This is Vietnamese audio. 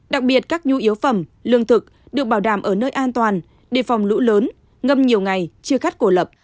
đặc biệt các nhu yếu phẩm lương thực được bảo đảm ở nơi an toàn đề phòng lũ lớn ngâm nhiều ngày chưa cắt cổ lập